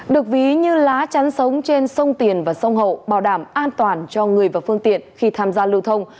được ví như lá chắn sống trên sông tiền và sông hậu bảo đảm an toàn cho người và phương tiện khi tham gia lưu thông